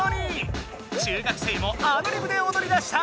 中学生もアドリブでおどりだした！